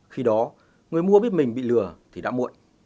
khi đó người mua biết mình bị lừa thì đã muộn